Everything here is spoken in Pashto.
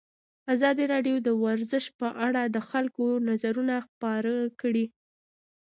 ازادي راډیو د ورزش په اړه د خلکو نظرونه خپاره کړي.